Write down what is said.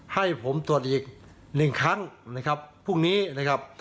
ให้ผมตรวจอีกหนึ่งครั้งนะครับพรุ่งนี้นะครับ